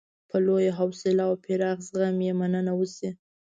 په لویه حوصله او پراخ زغم یې مننه وشي.